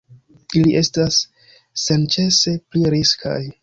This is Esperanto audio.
Ili estas senĉese pli riskaj.